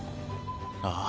ああ。